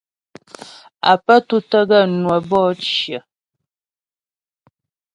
Á pə́ tútə́ gaə́ ŋwə́ bɔ'ɔ cyə.